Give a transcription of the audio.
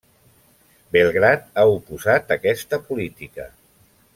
Belgrad ha oposat aquesta política.